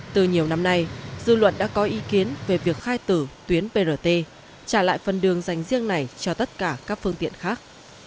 từ nhiều năm nay dư luận đã có ý kiến về việc khai tử tuyến brt trả lại phần đường dành riêng này cho tất cả các phương tiện khác